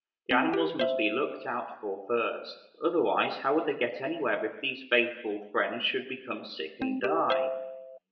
The animals must be looked out for first, otherwise how would they ever get anywhere if these faithful friends should become sick and die?